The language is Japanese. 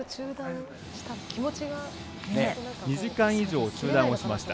２時間以上中断をしました。